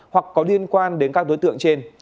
hoặc có liên quan đến các đối tượng trên